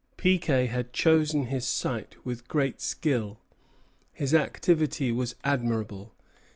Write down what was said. Piquet had chosen his site with great skill. His activity was admirable.